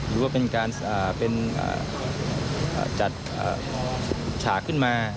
หรือว่ามันเป็นจากการชากขึ้นมา